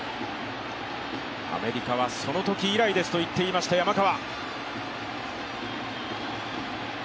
アメリカはそのとき以来ですと言っていました山川。